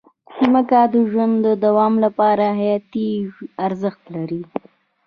مځکه د ژوند د دوام لپاره حیاتي ارزښت لري.